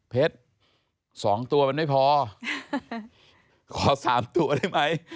๒ตัวมันไม่พอขอ๓ตัวได้ไหม